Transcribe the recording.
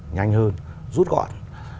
nhanh hơn rút gọn